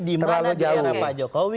di mana di daerah pak jokowi